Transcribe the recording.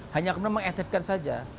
hanya kemudian mengaktifkan saja